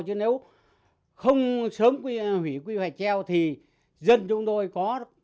chứ nếu không sớm hủy quy hoạch treo thì dân chúng tôi có